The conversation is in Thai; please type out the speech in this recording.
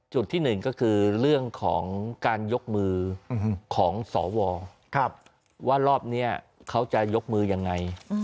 ที่หนึ่งก็คือเรื่องของการยกมือของสวว่ารอบนี้เขาจะยกมือยังไง